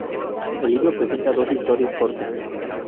El libro presenta doce historias cortas.